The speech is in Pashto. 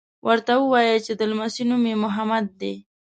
ورته ووایي چې د لمسي نوم یې محمد دی.